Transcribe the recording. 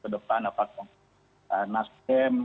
ke depan apa nasden